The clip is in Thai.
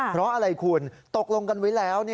เพราะอะไรคุณตกลงกันไว้แล้ว